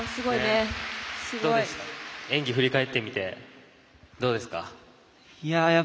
演技振り返ってみてどうですか。